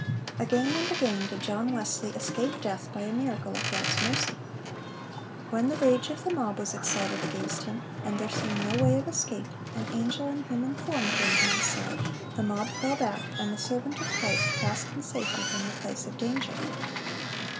Again and again did John Wesley escape death by a miracle of God's mercy. When the rage of the mob was excited against him, and there seemed no way of escape, an angel in human form came to his side, the mob fell back, and the servant of Christ passed in safety from the place of danger.